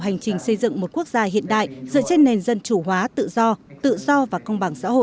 hành trình xây dựng một quốc gia hiện đại dựa trên nền dân chủ hóa tự do tự do và công bằng xã hội